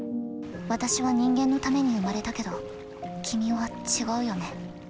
私は人間のために生まれたけど君は違うよね。